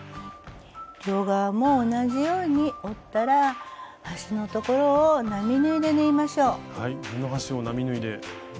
両側も同じように折ったら端の所を並縫いで縫いましょう。